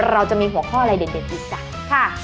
เราจะต้องการมีหัวข้ออะไรเด่นอีกค่ะ